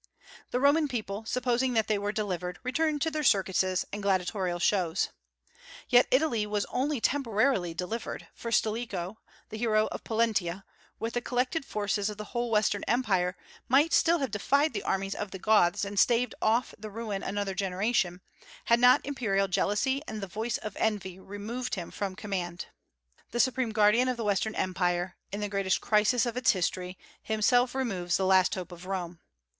The Roman people, supposing that they were delivered, returned to their circuses and gladiatorial shows. Yet Italy was only temporarily delivered, for Stilicho, the hero of Pollentia, with the collected forces of the whole western Empire, might still have defied the armies of the Goths and staved off the ruin another generation, had not imperial jealousy and the voice of envy removed him from command. The supreme guardian of the western Empire, in the greatest crisis of its history, himself removes the last hope of Rome.